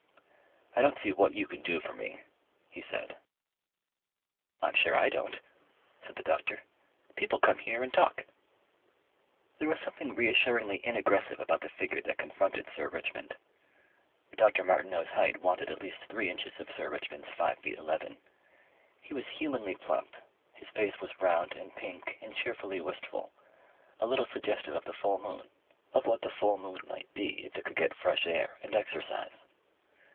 "I don't see what you can do for me," he said. "I'm sure I don't," said the doctor. "People come here and talk." There was something reassuringly inaggressive about the figure that confronted Sir Richmond. Dr. Martineau's height wanted at least three inches of Sir Richmond's five feet eleven; he was humanly plump, his face was round and pink and cheerfully wistful, a little suggestive of the full moon, of what the full moon might be if it could get fresh air and exercise.